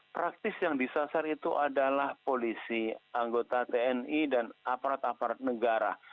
praktis yang disasar itu adalah polisi anggota tni dan aparat aparat negara